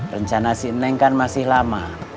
rencana si neng kan masih lama